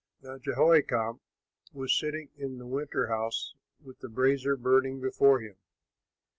Now Jehoiakim was sitting in the winter house with a brazier burning before him.